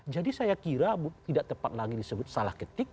jadi saya kira tidak tepat lagi disebut salah ketik